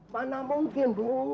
tidak mungkin bu